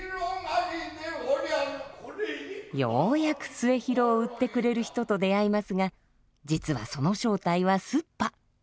ようやく末広を売ってくれる人と出会いますが実はその正体はすっぱ。